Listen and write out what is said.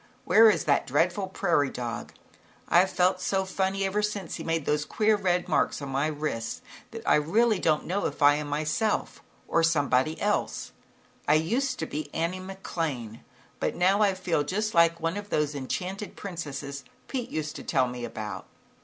Where is that dreadful prairie dog? I've felt so funny ever since he made those queer red marks on my wrists, that I don't really know if I am myself, or somebody else. I used to be Annie McLane, but now I feel just like one of those enchanted princesses Pete used to tell me about."